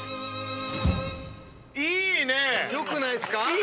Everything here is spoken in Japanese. よくないっすか？